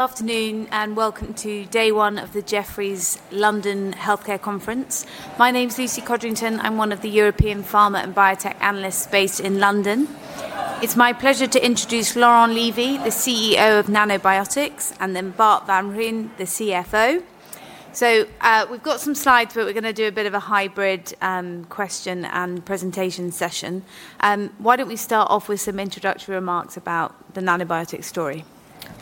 Good afternoon and welcome to Day One of the Jefferies London Healthcare Conference. My name's Lucy Codrington. I'm one of the European Pharma and Biotech Analysts based in London. It's my pleasure to introduce Laurent Lévy, the CEO of Nanobiotix, and then Bart Van Rhijn, the CFO. So we've got some slides, but we're going to do a bit of a hybrid question and presentation session. Why don't we start off with some introductory remarks about the Nanobiotix story?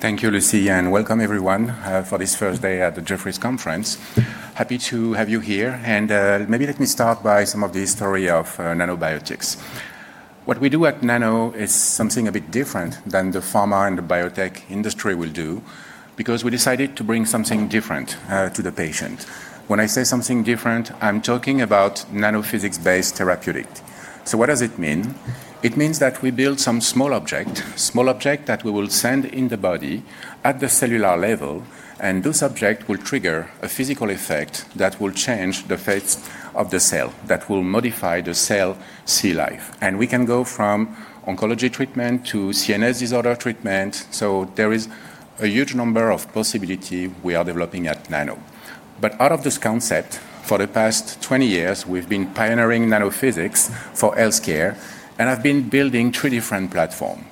Thank you, Lucy, and welcome everyone for this first day at the Jefferies Conference. Happy to have you here. Maybe let me start by some of the story of Nanobiotix. What we do at Nano is something a bit different than the pharma and the biotech industry will do, because we decided to bring something different to the patient. When I say something different, I'm talking about nanophysics-based therapeutics. What does it mean? It means that we build some small object, small object that we will send in the body at the cellular level, and this object will trigger a physical effect that will change the fate of the cell, that will modify the cell's life. We can go from oncology treatment to CNS disorder treatment. There is a huge number of possibilities we are developing at Nano. Out of this concept, for the past 20 years, we've been pioneering nanophysics for healthcare, and I've been building three different platforms.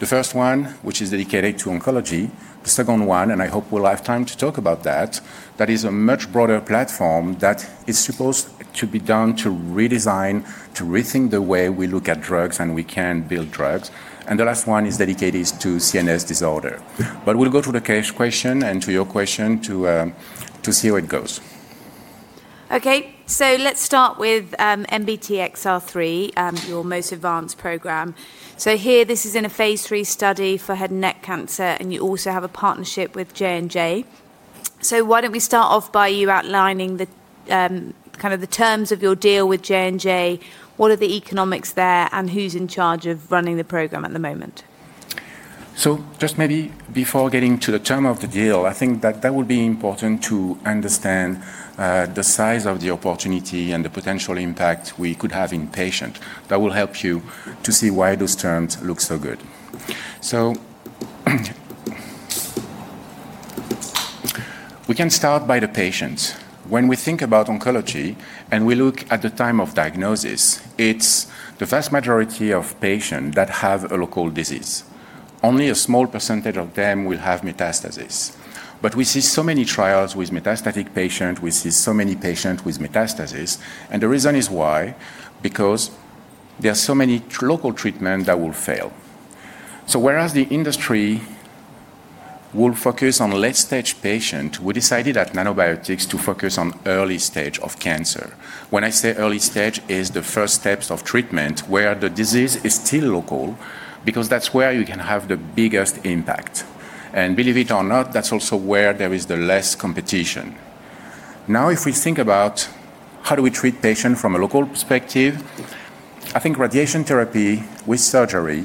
The first one, which is dedicated to oncology. The second one, and I hope we'll have time to talk about that, that is a much broader platform that is supposed to be done to redesign, to rethink the way we look at drugs and we can build drugs. The last one is dedicated to CNS disorder. We'll go to the question and to your question to see how it goes. Okay, so let's start with NBTXR3, your most advanced program. Here, this is in a phase 3 study for head and neck cancer, and you also have a partnership with J&J. Why don't we start off by you outlining kind of the terms of your deal with J&J? What are the economics there, and who's in charge of running the program at the moment? Just maybe before getting to the term of the deal, I think that that would be important to understand the size of the opportunity and the potential impact we could have in patients. That will help you to see why those terms look so good. We can start by the patients. When we think about oncology and we look at the time of diagnosis, it's the vast majority of patients that have a local disease. Only a small percentage of them will have metastasis. We see so many trials with metastatic patients. We see so many patients with metastasis. The reason is why? There are so many local treatments that will fail. Whereas the industry will focus on late-stage patients, we decided at Nanobiotix to focus on early stage of cancer. When I say early stage, it is the first steps of treatment where the disease is still local, because that's where you can have the biggest impact. Believe it or not, that's also where there is the less competition. Now, if we think about how do we treat patients from a local perspective, I think radiation therapy with surgery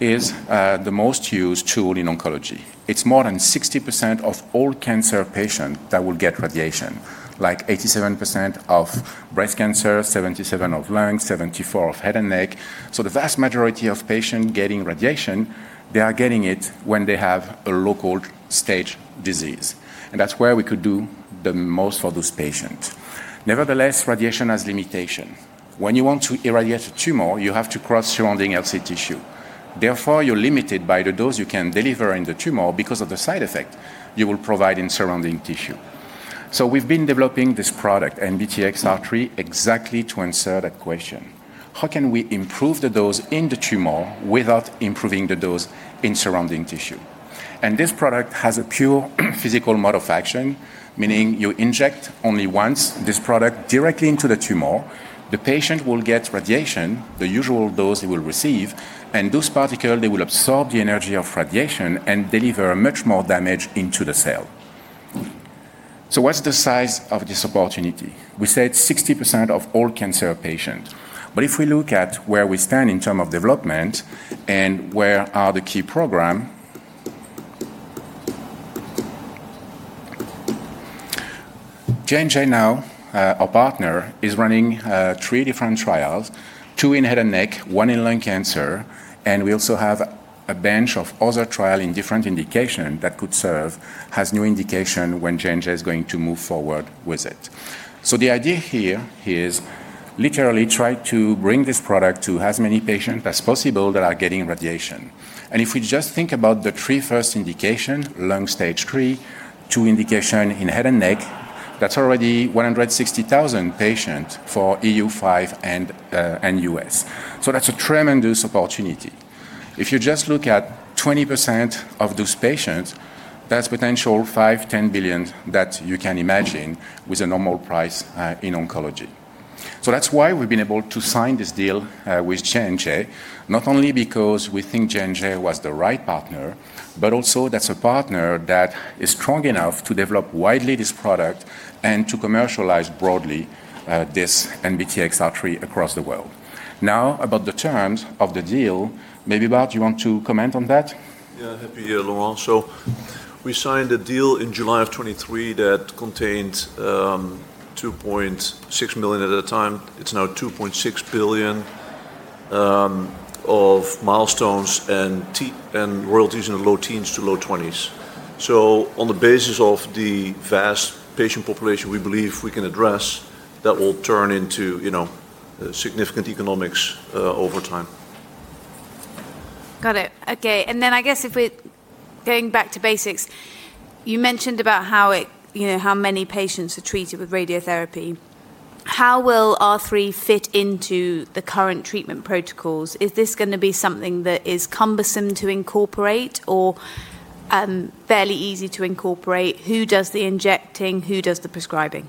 is the most used tool in oncology. It's more than 60% of all cancer patients that will get radiation, like 87% of breast cancer, 77% of lungs, 74% of head and neck. The vast majority of patients getting radiation, they are getting it when they have a local stage disease. That's where we could do the most for those patients. Nevertheless, radiation has limitations. When you want to irradiate a tumor, you have to cross surrounding healthy tissue. Therefore, you're limited by the dose you can deliver in the tumor because of the side effect you will provide in surrounding tissue. We have been developing this product, NBTXR3, exactly to answer that question. How can we improve the dose in the tumor without improving the dose in surrounding tissue? This product has a pure physical mode of action, meaning you inject only once this product directly into the tumor. The patient will get radiation, the usual dose he will receive, and those particles, they will absorb the energy of radiation and deliver much more damage into the cell. What's the size of this opportunity? We said 60% of all cancer patients. If we look at where we stand in terms of development and where the key programs are, J&J now, our partner, is running three different trials, two in head and neck, one in lung cancer. We also have a bench of other trials in different indications that could serve as new indications when J&J is going to move forward with it. The idea here is literally to try to bring this product to as many patients as possible that are getting radiation. If we just think about the three first indications, lung stage three, two indications in head and neck, that's already 160,000 patients for EU5 and US. That's a tremendous opportunity. If you just look at 20% of those patients, that's potential 5 billion-10 billion that you can imagine with a normal price in oncology. That's why we've been able to sign this deal with J&J, not only because we think J&J was the right partner, but also that's a partner that is strong enough to develop widely this product and to commercialize broadly this NBTXR3 across the world. Now, about the terms of the deal, maybe Bart, you want to comment on that? Yeah, happy to hear, Laurent. We signed a deal in July of 2023 that contained 2.6 million at a time. It is now 2.6 billion of milestones and royalties in the low teens to low twenties %. On the basis of the vast patient population we believe we can address, that will turn into significant economics over time. Got it. Okay. And then I guess if we're going back to basics, you mentioned about how many patients are treated with radiotherapy. How will R3 fit into the current treatment protocols? Is this going to be something that is cumbersome to incorporate or fairly easy to incorporate? Who does the injecting? Who does the prescribing?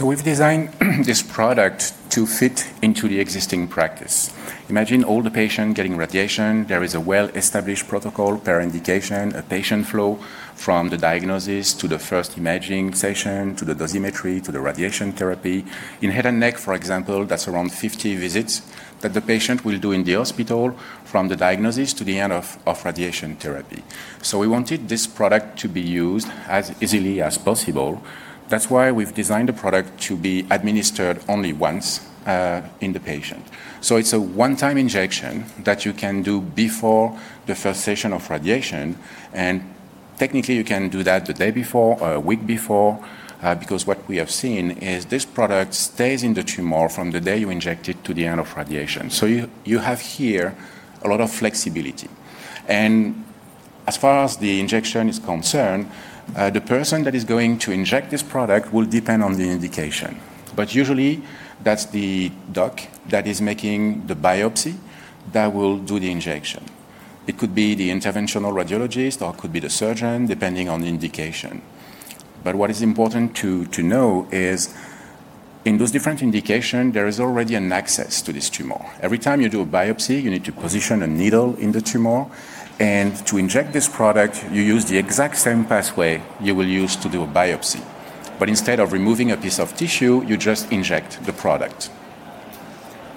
We have designed this product to fit into the existing practice. Imagine all the patients getting radiation. There is a well-established protocol per indication, a patient flow from the diagnosis to the first imaging session, to the dosimetry, to the radiation therapy. In head and neck, for example, that is around 50 visits that the patient will do in the hospital from the diagnosis to the end of radiation therapy. We wanted this product to be used as easily as possible. That is why we have designed the product to be administered only once in the patient. It is a one-time injection that you can do before the first session of radiation. Technically, you can do that the day before, a week before, because what we have seen is this product stays in the tumor from the day you inject it to the end of radiation. You have here a lot of flexibility. As far as the injection is concerned, the person that is going to inject this product will depend on the indication. Usually, that's the doc that is making the biopsy that will do the injection. It could be the interventional radiologist or it could be the surgeon, depending on the indication. What is important to know is in those different indications, there is already an access to this tumor. Every time you do a biopsy, you need to position a needle in the tumor. To inject this product, you use the exact same pathway you will use to do a biopsy. Instead of removing a piece of tissue, you just inject the product.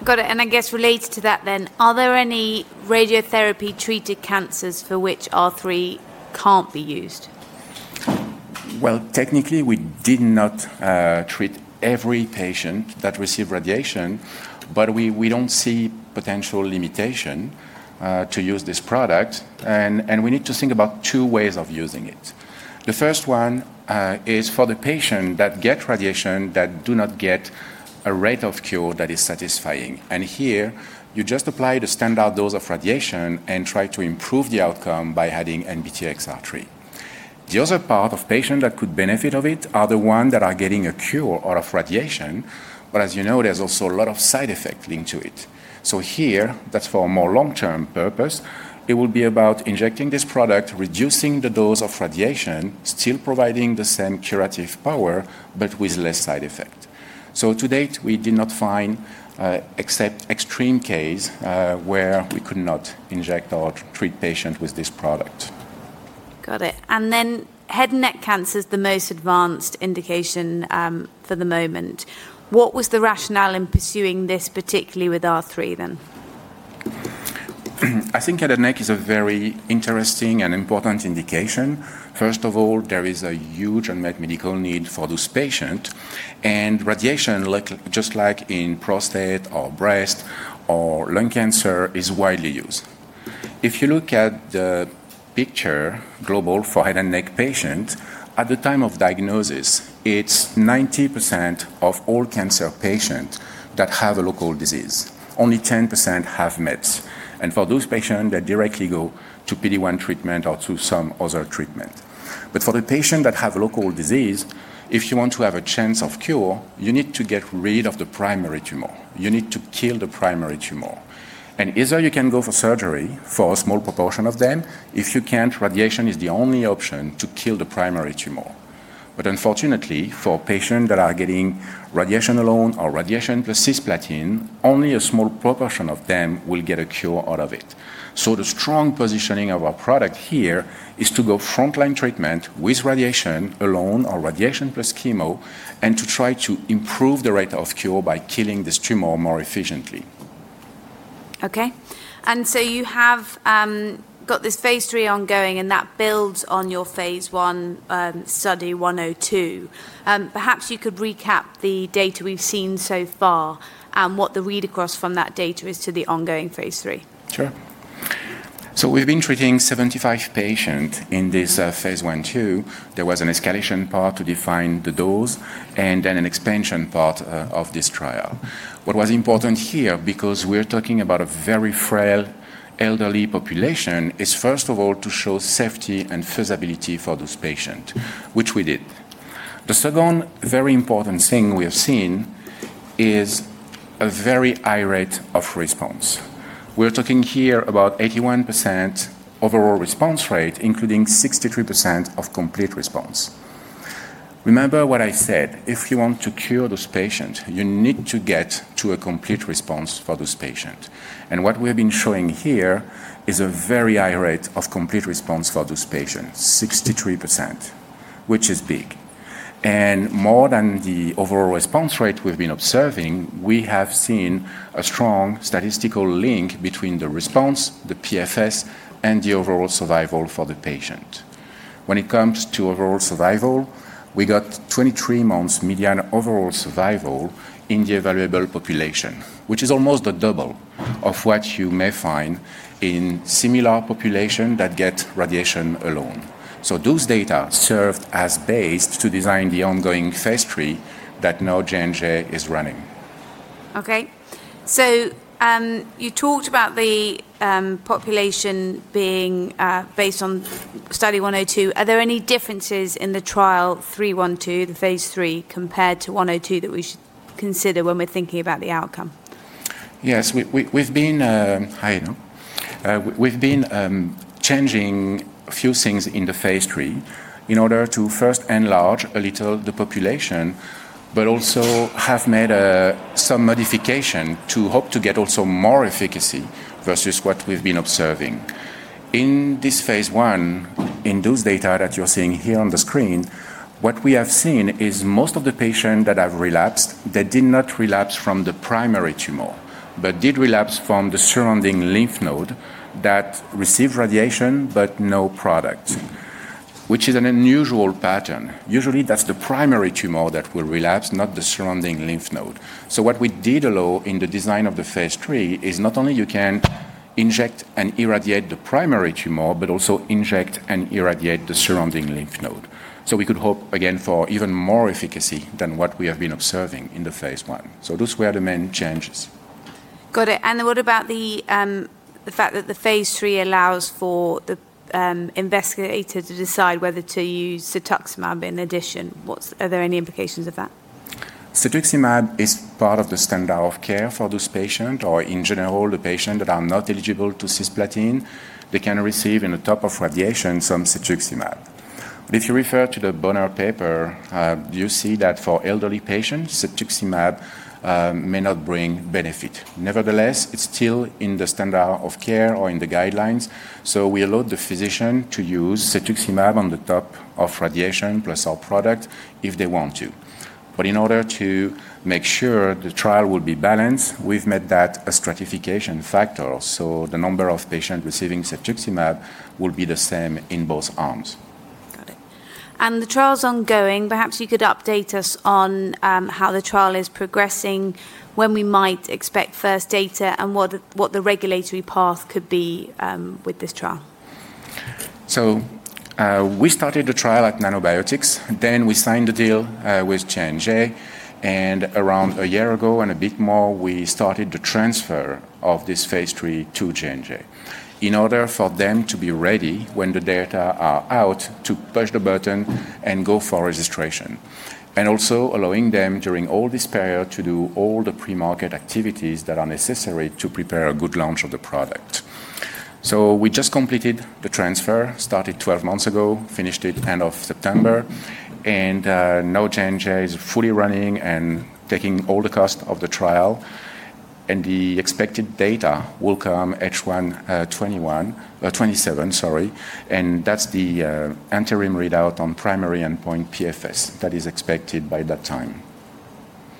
Got it. I guess related to that then, are there any radiotherapy-treated cancers for which R3 can't be used? Technically, we did not treat every patient that received radiation, but we do not see potential limitation to use this product. We need to think about two ways of using it. The first one is for the patients that get radiation that do not get a rate of cure that is satisfying. Here, you just apply the standard dose of radiation and try to improve the outcome by adding NBTXR3. The other part of patients that could benefit from it are the ones that are getting a cure out of radiation. As you know, there is also a lot of side effects linked to it. Here, that is for a more long-term purpose. It will be about injecting this product, reducing the dose of radiation, still providing the same curative power, but with less side effects. To date, we did not find except extreme cases where we could not inject or treat patients with this product. Got it. And then head and neck cancer is the most advanced indication for the moment. What was the rationale in pursuing this particularly with R3 then? I think head and neck is a very interesting and important indication. First of all, there is a huge unmet medical need for those patients. Radiation, just like in prostate or breast or lung cancer, is widely used. If you look at the picture global for head and neck patients, at the time of diagnosis, it's 90% of all cancer patients that have a local disease. Only 10% have mets. For those patients, they directly go to PD-1 treatment or to some other treatment. For the patients that have local disease, if you want to have a chance of cure, you need to get rid of the primary tumor. You need to kill the primary tumor. Either you can go for surgery for a small proportion of them. If you can't, radiation is the only option to kill the primary tumor. Unfortunately, for patients that are getting radiation alone or radiation plus cisplatin, only a small proportion of them will get a cure out of it. The strong positioning of our product here is to go frontline treatment with radiation alone or radiation plus chemo and to try to improve the rate of cure by killing this tumor more efficiently. Okay. You have got this phase three ongoing, and that builds on your phase one study 102. Perhaps you could recap the data we've seen so far and what the read across from that data is to the ongoing phase three. Sure. We have been treating 75 patients in this phase one two. There was an escalation part to define the dose and then an expansion part of this trial. What was important here, because we are talking about a very frail elderly population, is first of all to show safety and feasibility for those patients, which we did. The second very important thing we have seen is a very high rate of response. We are talking here about 81% overall response rate, including 63% of complete response. Remember what I said, if you want to cure those patients, you need to get to a complete response for those patients. What we have been showing here is a very high rate of complete response for those patients, 63%, which is big. More than the overall response rate we've been observing, we have seen a strong statistical link between the response, the PFS, and the overall survival for the patient. When it comes to overall survival, we got 23 months median overall survival in the evaluable population, which is almost the double of what you may find in similar populations that get radiation alone. Those data served as base to design the ongoing phase three that now J&J is running. Okay. You talked about the population being based on study 102. Are there any differences in the trial 312, the phase three, compared to 102 that we should consider when we're thinking about the outcome? Yes. We've been changing a few things in the phase 3 in order to first enlarge a little the population, but also have made some modifications to hope to get also more efficacy versus what we've been observing. In this phase 1, in those data that you're seeing here on the screen, what we have seen is most of the patients that have relapsed, they did not relapse from the primary tumor, but did relapse from the surrounding lymph node that received radiation but no product, which is an unusual pattern. Usually, that's the primary tumor that will relapse, not the surrounding lymph node. What we did allow in the design of the phase 3 is not only you can inject and irradiate the primary tumor, but also inject and irradiate the surrounding lymph node. We could hope again for even more efficacy than what we have been observing in the phase one. Those were the main changes. Got it. What about the fact that the phase three allows for the investigator to decide whether to use cetuximab in addition? Are there any implications of that? Cetuximab is part of the standard of care for those patients or in general, the patients that are not eligible to cisplatin, they can receive in the top of radiation some cetuximab. If you refer to the Bonner paper, you see that for elderly patients, cetuximab may not bring benefit. Nevertheless, it's still in the standard of care or in the guidelines. We allow the physician to use cetuximab on the top of radiation plus our product if they want to. In order to make sure the trial will be balanced, we've made that a stratification factor. The number of patients receiving cetuximab will be the same in both arms. Got it. The trial's ongoing. Perhaps you could update us on how the trial is progressing, when we might expect first data, and what the regulatory path could be with this trial. We started the trial at Nanobiotix. Then we signed the deal with J&J. Around a year ago and a bit more, we started the transfer of this phase 3 to J&J in order for them to be ready when the data are out to push the button and go for registration. Also allowing them during all this period to do all the pre-market activities that are necessary to prepare a good launch of the product. We just completed the transfer, started 12 months ago, finished it end of September. Now J&J is fully running and taking all the costs of the trial. The expected data will come H1 2027, sorry. That is the interim readout on primary endpoint PFS that is expected by that time.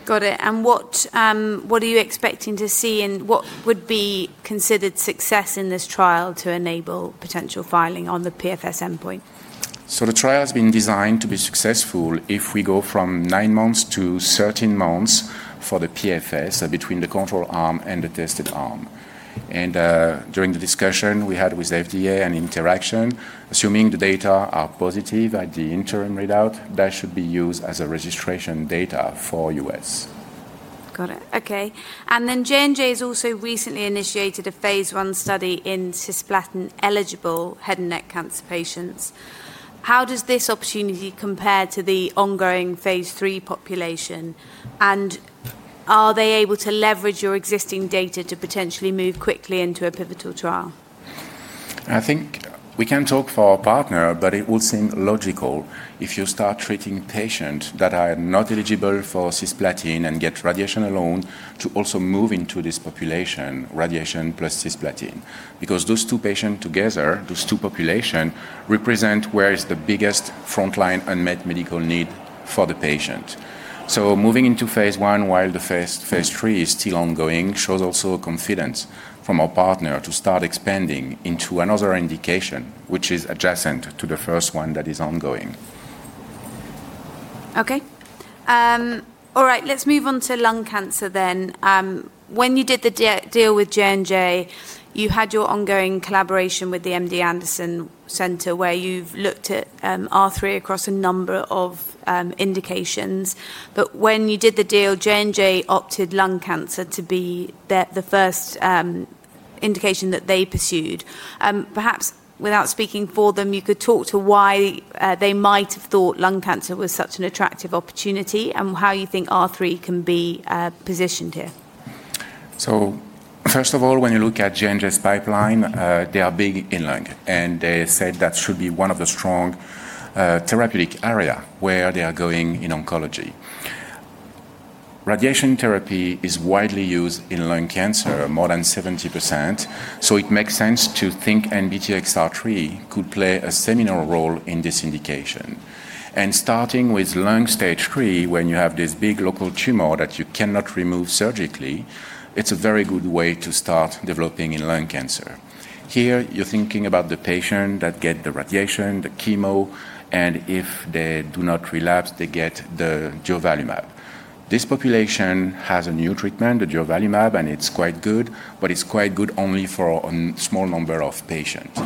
Got it. What are you expecting to see and what would be considered success in this trial to enable potential filing on the PFS endpoint? The trial has been designed to be successful if we go from nine months to 13 months for the PFS between the control arm and the tested arm. During the discussion we had with FDA and interaction, assuming the data are positive at the interim readout, that should be used as registration data for US. Got it. Okay. J&J has also recently initiated a phase 1 study in cisplatin-eligible head and neck cancer patients. How does this opportunity compare to the ongoing phase 3 population? Are they able to leverage your existing data to potentially move quickly into a pivotal trial? I think we can talk for our partner, but it would seem logical if you start treating patients that are not eligible for cisplatin and get radiation alone to also move into this population, radiation plus cisplatin. Because those two patients together, those two populations represent where is the biggest frontline unmet medical need for the patient. Moving into phase one while the phase three is still ongoing shows also confidence from our partner to start expanding into another indication, which is adjacent to the first one that is ongoing. Okay. All right. Let's move on to lung cancer then. When you did the deal with J&J, you had your ongoing collaboration with the MD Anderson Cancer Center where you've looked at R3 across a number of indications. When you did the deal, J&J opted lung cancer to be the first indication that they pursued. Perhaps without speaking for them, you could talk to why they might have thought lung cancer was such an attractive opportunity and how you think R3 can be positioned here. First of all, when you look at J&J's pipeline, they are big in lung. They said that should be one of the strong therapeutic areas where they are going in oncology. Radiation therapy is widely used in lung cancer, more than 70%. It makes sense to think NBTXR3 could play a seminal role in this indication. Starting with lung stage three, when you have this big local tumor that you cannot remove surgically, it's a very good way to start developing in lung cancer. Here, you're thinking about the patient that gets the radiation, the chemo, and if they do not relapse, they get the durvalumab. This population has a new treatment, the durvalumab, and it's quite good, but it's quite good only for a small number of patients.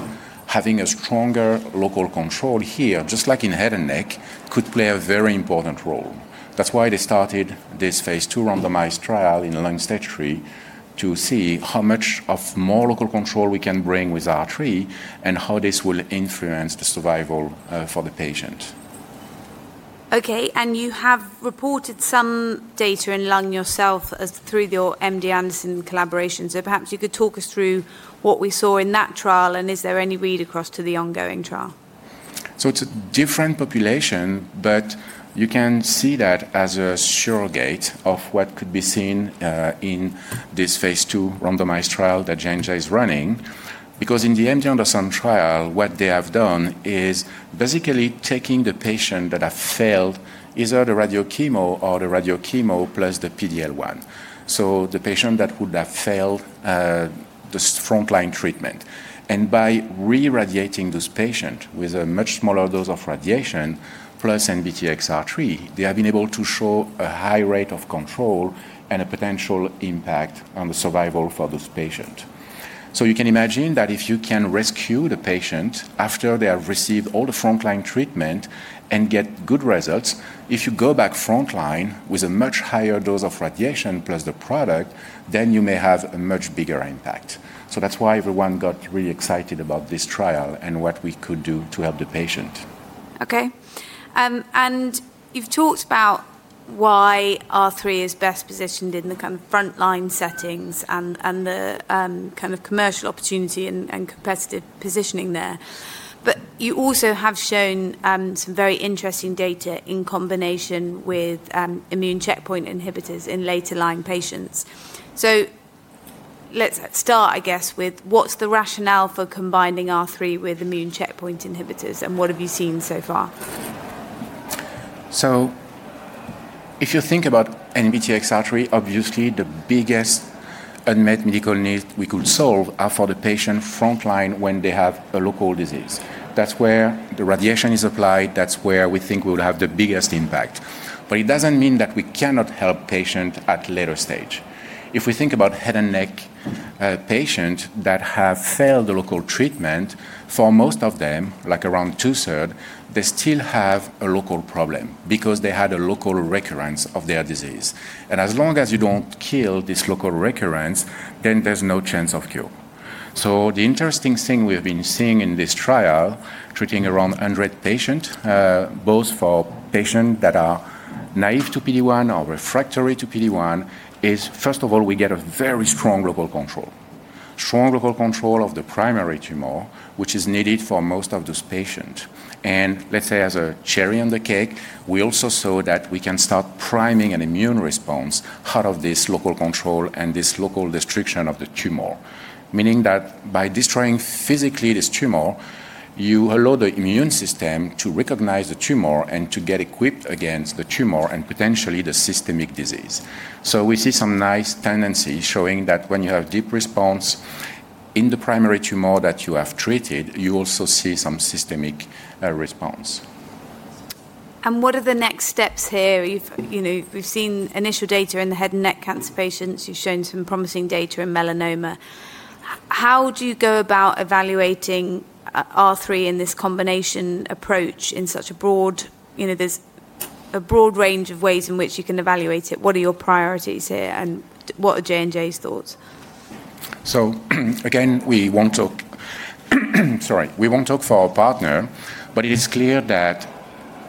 Having a stronger local control here, just like in head and neck, could play a very important role. That's why they started this phase 2 randomized trial in lung stage 3 to see how much more local control we can bring with NBTXR3 and how this will influence the survival for the patient. Okay. You have reported some data in lung yourself through your MD Anderson collaboration. Perhaps you could talk us through what we saw in that trial and is there any read across to the ongoing trial? It's a different population, but you can see that as a surrogate of what could be seen in this phase two randomized trial that J&J is running. Because in the MD Anderson trial, what they have done is basically taking the patient that have failed either the radiochemo or the radiochemo plus the PD-L1. The patient that would have failed the frontline treatment. By re-radiating those patients with a much smaller dose of radiation plus NBTXR3, they have been able to show a high rate of control and a potential impact on the survival for those patients. You can imagine that if you can rescue the patient after they have received all the frontline treatment and get good results, if you go back frontline with a much higher dose of radiation plus the product, then you may have a much bigger impact. That's why everyone got really excited about this trial and what we could do to help the patient. Okay. You have talked about why R3 is best positioned in the kind of frontline settings and the kind of commercial opportunity and competitive positioning there. You also have shown some very interesting data in combination with immune checkpoint inhibitors in later line patients. Let's start, I guess, with what's the rationale for combining R3 with immune checkpoint inhibitors and what have you seen so far? If you think about NBTXR3, obviously the biggest unmet medical need we could solve are for the patient frontline when they have a local disease. That's where the radiation is applied. That's where we think we will have the biggest impact. It does not mean that we cannot help patients at later stage. If we think about head and neck patients that have failed the local treatment, for most of them, like around two-thirds, they still have a local problem because they had a local recurrence of their disease. As long as you do not kill this local recurrence, then there is no chance of cure. The interesting thing we have been seeing in this trial, treating around 100 patients, both for patients that are naive to PD-1 or refractory to PD-1, is first of all, we get a very strong local control. Strong local control of the primary tumor, which is needed for most of those patients. Let's say as a cherry on the cake, we also saw that we can start priming an immune response out of this local control and this local destruction of the tumor. Meaning that by destroying physically this tumor, you allow the immune system to recognize the tumor and to get equipped against the tumor and potentially the systemic disease. We see some nice tendency showing that when you have deep response in the primary tumor that you have treated, you also see some systemic response. What are the next steps here? We've seen initial data in the head and neck cancer patients. You've shown some promising data in melanoma. How do you go about evaluating R3 in this combination approach in such a broad? There's a broad range of ways in which you can evaluate it. What are your priorities here? What are J&J's thoughts? Again, we want to, sorry, we want to talk for our partner, but it is clear that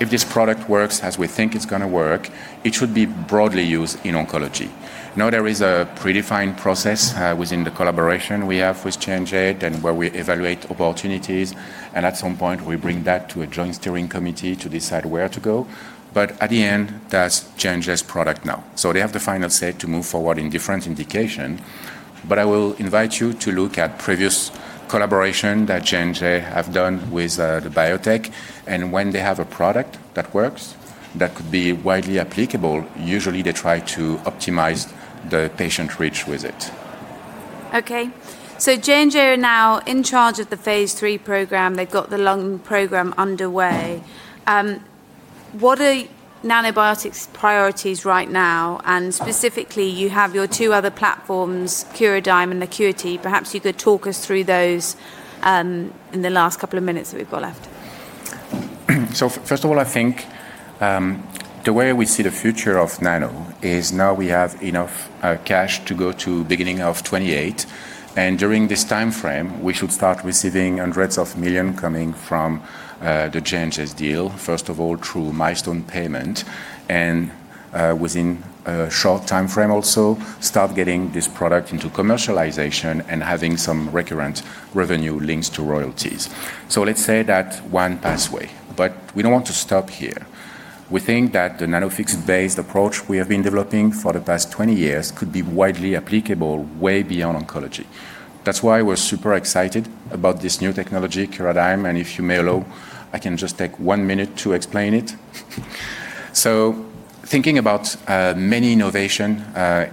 if this product works as we think it's going to work, it should be broadly used in oncology. Now there is a predefined process within the collaboration we have with J&J and where we evaluate opportunities. At some point, we bring that to a joint steering committee to decide where to go. At the end, that's J&J's product now. They have the final say to move forward in different indications. I will invite you to look at previous collaborations that J&J has done with the biotech. When they have a product that works, that could be widely applicable, usually they try to optimize the patient reach with it. Okay. J&J are now in charge of the phase 3 program. They've got the lung program underway. What are Nanobiotix's priorities right now? Specifically, you have your two other platforms, Curadigm and Acuity. Perhaps you could talk us through those in the last couple of minutes that we've got left. First of all, I think the way we see the future of Nano is now we have enough cash to go to the beginning of 2028. During this timeframe, we should start receiving hundreds of millions coming from the J&J deal, first of all, through milestone payment. Within a short timeframe also, start getting this product into commercialization and having some recurrent revenue linked to royalties. Let's say that's one pathway. We do not want to stop here. We think that the Nanophysics-based approach we have been developing for the past 20 years could be widely applicable way beyond oncology. That is why we are super excited about this new technology, Curadigm. If you may allow, I can just take one minute to explain it. Thinking about many innovations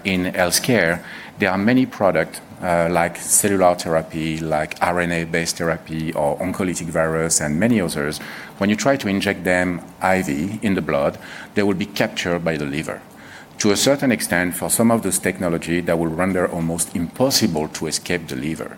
in healthcare, there are many products like cellular therapy, like RNA-based therapy, or oncolytic virus, and many others. When you try to inject them IV in the blood, they will be captured by the liver. To a certain extent, for some of those technologies, that will render almost impossible to escape the liver.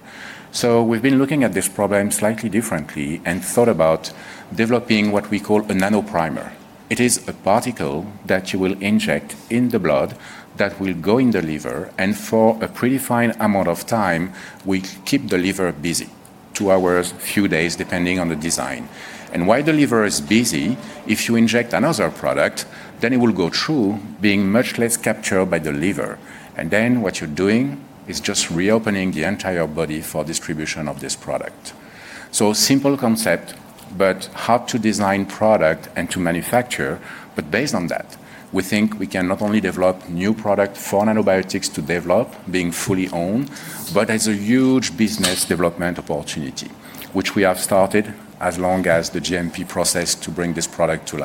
We have been looking at this problem slightly differently and thought about developing what we call a nanoprimer. It is a particle that you will inject in the blood that will go in the liver. For a predefined amount of time, we keep the liver busy, two hours, a few days, depending on the design. While the liver is busy, if you inject another product, then it will go through being much less captured by the liver. What you are doing is just reopening the entire body for distribution of this product. Simple concept, but hard to design product and to manufacture. Based on that, we think we can not only develop new products for Nanobiotix to develop being fully owned, but as a huge business development opportunity, which we have started as long as the GMP process to bring this product to.